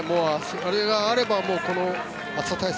あれがあれば暑さ対策